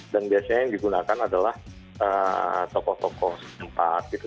dan biasanya yang digunakan adalah tokoh tokoh sempat gitu